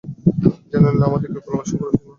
General, আমাদের কি গোলাবর্ষণ করা উচিত নয়?